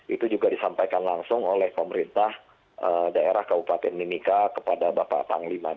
itu juga disampaikan langsung oleh pemerintah daerah kabupaten mimika kepada bapak panglima